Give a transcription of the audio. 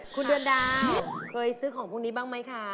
คุณด้วยด้าวเคยซื้อของพรุ่งนี้บางไหมคะ